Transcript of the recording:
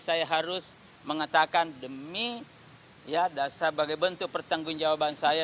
saya harus mengatakan demi sebagai bentuk pertanggung jawaban saya